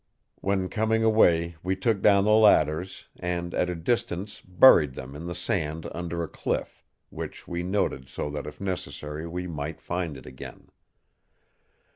"When coming away we took down the ladders, and at a distance buried them in the sand under a cliff, which we noted so that if necessary we might find them again.